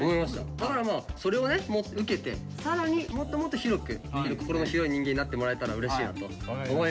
だからまあそれを受けて更にもっともっと広く心の広い人間になってもらえたらうれしいなと思います。